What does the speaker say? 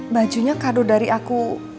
bajunya kado dari aku